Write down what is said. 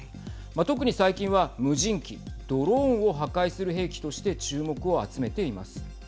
特に最近は無人機、ドローンを破壊する兵器として注目を集めています。